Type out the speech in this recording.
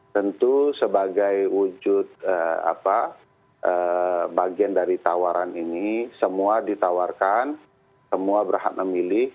tentu sebagai wujud bagian dari tawaran ini semua ditawarkan semua berhak memilih